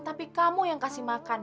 tapi kamu yang kasih makan